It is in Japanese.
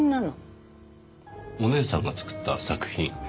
お姉さんが作った作品？